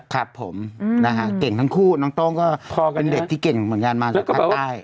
ครับผมนะฮะเก่งทั้งคู่น้องโต้งก็เป็นเด็กที่เก่งเหมือนกันมาจากภาคใต้